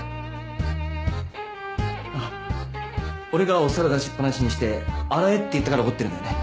あっ俺がお皿出しっぱなしにして洗えって言ったから怒ってるんだよね。